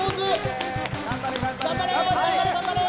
頑張れ頑張れ！